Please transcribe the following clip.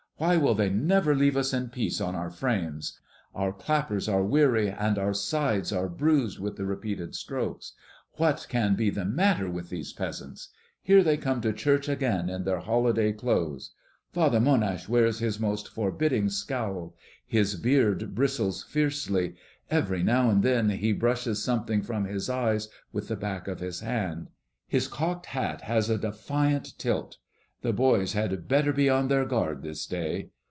Why will they never leave us in peace on our frames? Our clappers are weary, and our sides are bruised with the repeated strokes. What can be the matter with these peasants? Here they come to church again in their holiday clothes. Father Monhache wears his most forbidding scowl; his beard bristles fiercely; every now and then he brushes something from his eyes with the back of his hand. His cocked hat has a defiant tilt. The boys had better be on their guard this day.